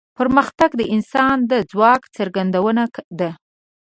پرمختګ د انسان د ځواک څرګندونه ده.